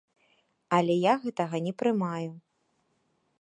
Але я гэтага не прымаю.